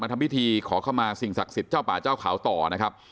ทำพิธีขอเข้ามาสิ่งศักดิ์สิทธิ์เจ้าป่าเจ้าเขาต่อนะครับ